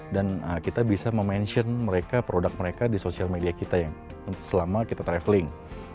dan kita bisa mention produk mereka di sosial media kita selama kita travelling